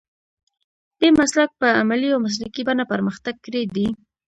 دې مسلک په عملي او مسلکي بڼه پرمختګ کړی دی.